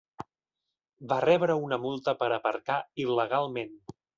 Va rebre una multa per aparcar il·legalment.